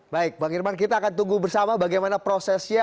baik bang irman kita akan tunggu bersama bagaimana prosesnya